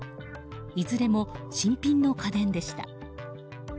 いずれも新品の家電でした。